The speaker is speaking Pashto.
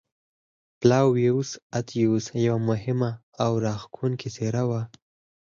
فلاویوس اتیوس یوه مهمه او راښکوونکې څېره وه.